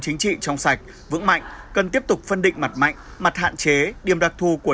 chính trị trong sạch vững mạnh cần tiếp tục phân định mặt mạnh mặt hạn chế điểm đặc thù của